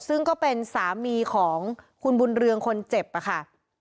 ซึ่งก็เป็นสามีของคุณบุญเรืองคนเจ็บค่ะ